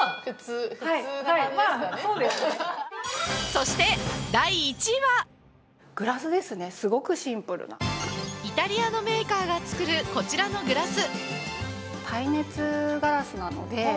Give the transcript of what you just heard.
そして、第１位はイタリアのメーカーが作るこちらのグラス。